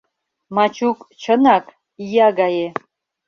Мачук, чынак, ия гае...